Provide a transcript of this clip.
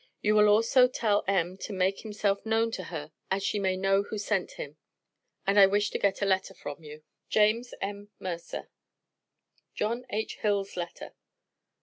You will also tell M. to make himself known to her as she may know who sent him. And I wish to get a letter from you. JAMES M. MERCER. JOHN H. HILL'S LETTER.